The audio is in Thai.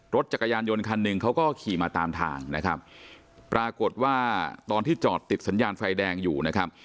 รถจักรยานยนต์คันหนึ่งเขาก็ขี่มาตามทางนะครับปรากฏว่าตอนที่จอดติดสัญญาณไฟแดงอยู่นะครับ